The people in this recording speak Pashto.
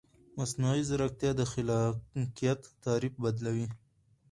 مصنوعي ځیرکتیا د خلاقیت تعریف بدلوي.